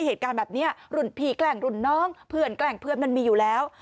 เหตุการณ์แบบนี้รุ่นพี่แกล้งรุ่นน้องเพื่อนแกล้งเพื่อนมันมีอยู่แล้ว